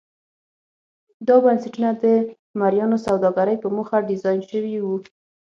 دا بنسټونه د مریانو سوداګرۍ په موخه ډیزاین شوي وو.